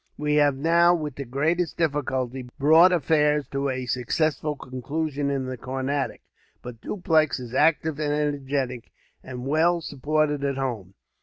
We have now, with the greatest difficulty, brought affairs to a successful conclusion in the Carnatic; but Dupleix is active and energetic, and well supported at home.